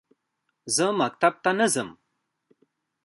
زه مکتب ته نه ځم